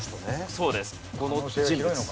そうですこの人物。